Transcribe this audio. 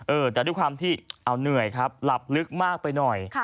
แต่ด้วยความที่เอาเหนื่อยครับหลับลึกมากไปหน่อย